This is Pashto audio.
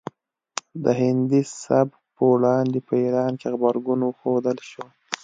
د هندي سبک په وړاندې په ایران کې غبرګون وښودل شو